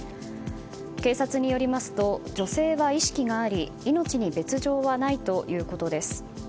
警察によりますと女性は意識があり命に別条はないということです。